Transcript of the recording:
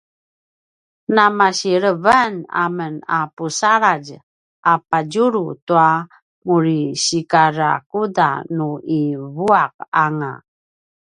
na masilevan amen a pusaladj a padjulu tua muri sikarakuda nu i vuaq anga